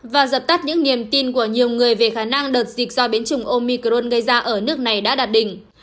và dập tắt những niềm tin của nhiều người về khả năng đợt dịch do biến chủng omicron gây ra ở nước này đã đạt đỉnh